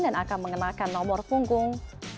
dan akan mengenakan nomor punggung